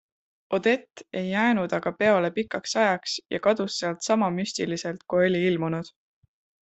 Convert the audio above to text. Odette ei jäänud aga peole pikaks ajaks ja kadus sealt sama müstiliselt kui oli ilmunud.